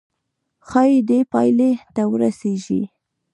ښايي دې پايلې ته ورسيږئ.